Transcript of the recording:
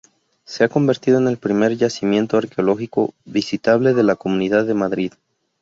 Se ha convertido en el primer yacimiento arqueológico visitable de la Comunidad de Madrid.